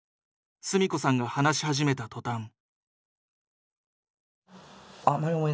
純子さんが話し始めた途端。